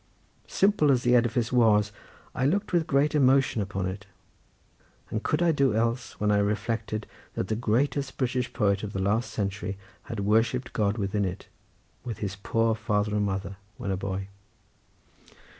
Simple as the edifice was, I looked with great emotion upon it; and could I do else, when I reflected that the greatest British poet of the last century had worshipped God within it, with his poor father and mother, when a boy?